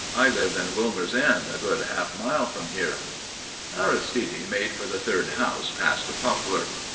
I live at Wilmer's End, a good half mile from here." Aristide made for the third house past the poplar.